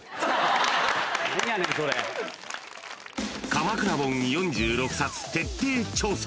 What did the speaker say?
［鎌倉本４６冊徹底調査］